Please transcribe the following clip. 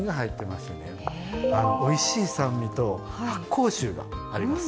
おいしい酸味と発酵臭があります。